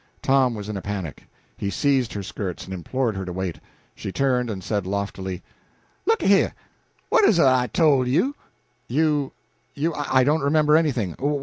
Tom was in a panic. He seized her skirts, and implored her to wait. She turned and said, loftily "Look a heah, what 'uz it I tole you?" "You you I don't remember anything.